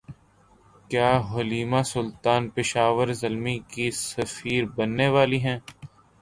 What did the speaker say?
کیا Halima Sultan Peshawar Zalmi کی سفیر بننے والی ہیں